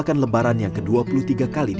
lalu airnya belajar